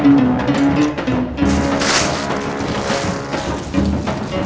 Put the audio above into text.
memang lebih banyak salahnya